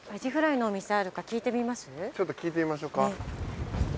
ちょっと聞いてみましょか。